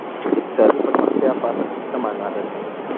اقتصادي پرمختیا په اصل کي څه مانا لري؟